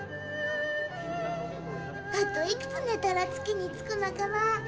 あといくつ寝たら月に着くのかな。